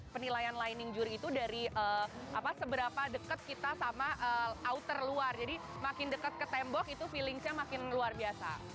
penilaian lining juri itu dari seberapa dekat kita sama outer luar jadi makin dekat ke tembok itu feelingsnya makin luar biasa